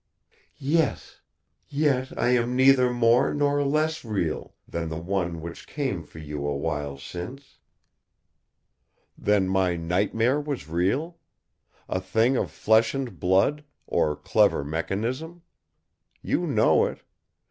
"Yes. Yet, I am neither more nor less real than the One which came for you a while since." "Then my nightmare was real? A thing of flesh and blood, or clever mechanism? You know it.